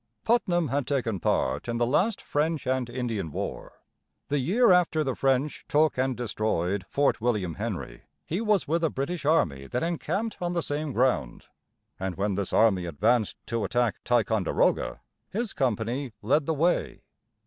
Putnam had taken part in the last French and Indian War. The year after the French took and destroyed Fort William Henry, he was with a British army that encamped on the same ground; and when this army advanced to attack Ticonderoga, his company led the way.